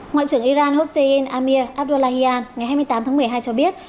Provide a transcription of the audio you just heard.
ngoại trưởng iran jossein amir abdullahian ngày hai mươi tám tháng một mươi hai cho biết